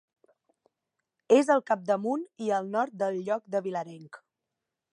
És al capdamunt i al nord del lloc de Vilarenc.